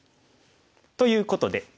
ということで。